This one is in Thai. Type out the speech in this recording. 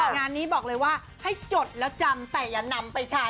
งานนี้บอกเลยว่าให้จดแล้วจำแต่อย่านำไปใช้